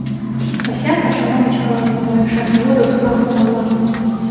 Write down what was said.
Пасля пачала мыць галаву, маючы асалоду ад паху мыла.